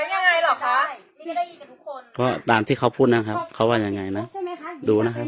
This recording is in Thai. แล้วยังไงหรอค่ะก็ตามที่เขาพูดนะครับเขาว่ายังไงนะดูนะครับผม